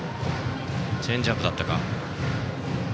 チェンジアップだったか。